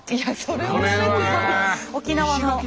沖縄の。